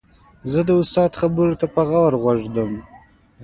زه د استاد خبرو ته په غور غوږ ږدم.